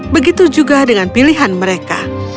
begitu juga dengan pilihan mereka